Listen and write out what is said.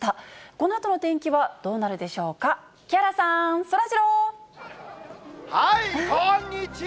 このあとの天気はどうなるでしょうか、木原さん、そらジロー。